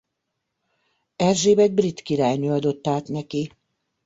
Erzsébet brit királynő adott át neki.